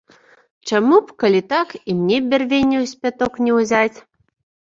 Чаму б, калі так, і мне бярвенняў з пяток не ўзяць?